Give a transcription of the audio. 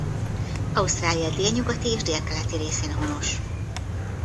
Ausztrália délnyugati és délkeleti részén honos.